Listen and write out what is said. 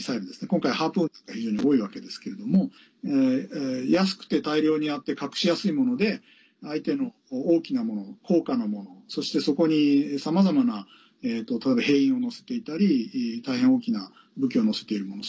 今回「ハープーン」なんか非常に多いわけですけれども。安くて大量にあって隠しやすいもので相手の大きなもの、高価なものそして、そこに、さまざまな例えば兵員を乗せていたり大変大きな武器を載せているもの。